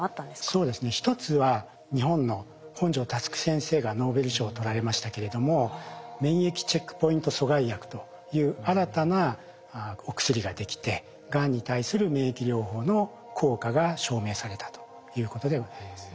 そうですね一つは日本の本庶佑先生がノーベル賞を取られましたけれども免疫チェックポイント阻害薬という新たなお薬ができてがんに対する免疫療法の効果が証明されたということでございます。